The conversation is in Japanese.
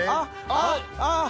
あっ！